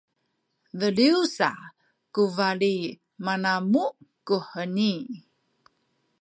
beliw sa ku bali manamuh kuheni